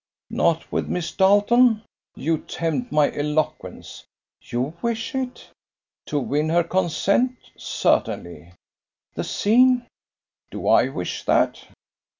"Not with Miss Darleton? You tempt my eloquence." "You wish it?" "To win her consent? Certainly." "The scene?" "Do I wish that?"